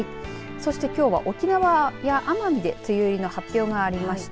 そしてきょうは沖縄や奄美で梅雨入りの発表がありました。